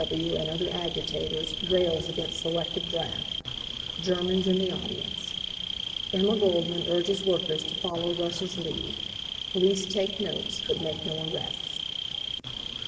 W. W. and Other Agitators Rails Against Selective Draft. GERMANS IN THE AUDIENCE Emma Goldman Urges Workers to Follow Russia's Lead Police Take Notes, but Make No Arrests.